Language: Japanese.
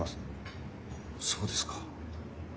そうですか。